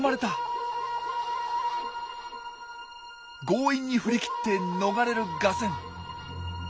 強引に振り切って逃れるガセン。